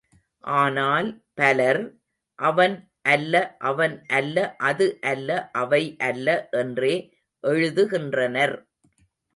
ஆனால், பலர், அவன் அல்ல அவர் அல்ல அது அல்ல அவை அல்ல என்றே எழுதுகின்றனர்.